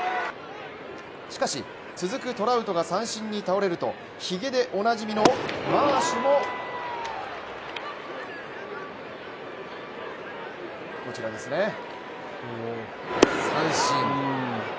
しかし、続くトラウトが三振に倒れるとひげでおなじみのマーシュもこちらですね、三振。